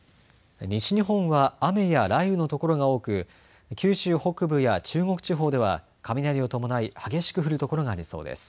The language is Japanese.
西日本は雨や雷雨の所が多く九州北部や中国地方では雷を伴い激しく降る所がありそうです。